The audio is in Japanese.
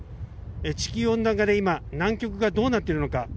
地球温暖化で今南極がどうなっているのか。